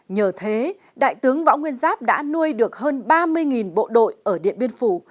nhờ thế đại tướng võ nguyên giáp đã nuôi được hơn ba mươi bộ đội ở điện biên phủ